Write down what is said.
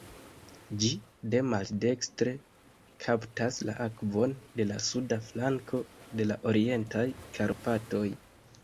Ĝi de maldekstre kaptas la akvon de la suda flanko de la Orientaj Karpatoj.